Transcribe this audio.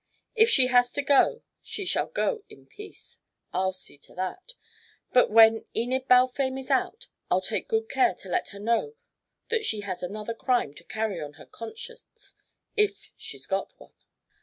If she has to go, she shall go in peace. I'll see to that. But when Enid Balfame is out, I'll take good care to let her know that she has another crime to carry on her conscience if she's got one."